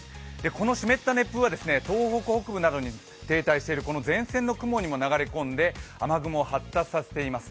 この湿った熱風は東北北部に停滞しているような前線の雲にも流れ込んで、雨雲を発達させています。